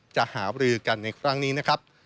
จะหาบรือกันในครั้งนี้นะครับ